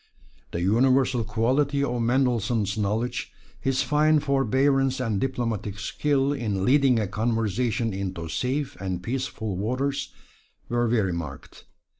The universal quality of Mendelssohn's knowledge, his fine forbearance and diplomatic skill in leading a conversation into safe and peaceful waters, were very marked.